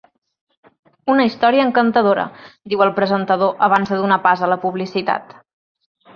Una història encantadora, diu el presentador abans de donar pas a la publicitat.